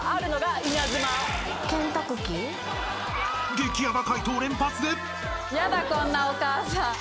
激ヤバ回答連発で。